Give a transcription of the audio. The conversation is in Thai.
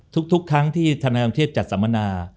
ทุกครั้งที่ธนากรุงเทพจัดสัมมนา